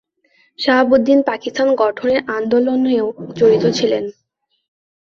শাহাবুদ্দিন পাকিস্তান গঠনের আন্দোলনেও জড়িত ছিলেন।